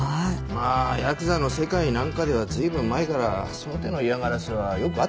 まあヤクザの世界なんかでは随分前からその手の嫌がらせはよくあった事なんだけどね。